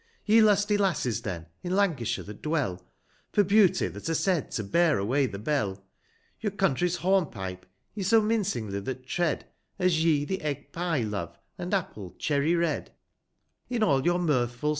Ye lusty lasses then, in Lancashire that dwell, c6 For beauty that are said to bear away tin; bell. Your country's I lorn pipe, ye so mincingly tliat tread, As ye the Kgg pie love, and Apple cherry red ;* In all your mirthful